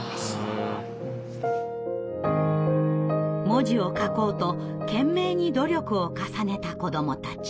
文字を書こうと懸命に努力を重ねた子どもたち。